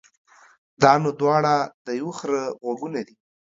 دا نو دواړه د يوه خره غوږونه دي.